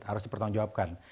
harus dipertanggung jawabkan